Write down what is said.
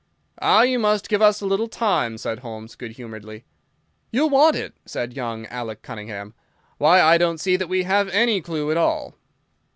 "Ah, you must give us a little time," said Holmes good humoredly. "You'll want it," said young Alec Cunningham. "Why, I don't see that we have any clue at all."